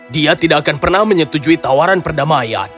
dia tidak akan pernah menyetujui tawaran perdamaian